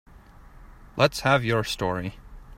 Let's have your story.